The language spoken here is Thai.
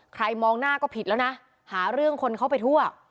มองหน้าก็ผิดแล้วนะหาเรื่องคนเข้าไปทั่ว